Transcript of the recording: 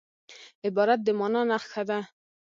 عبارت د مانا نخښه ده.